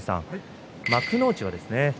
幕内はですね